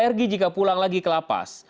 ia alergi jika pulang lagi ke lapas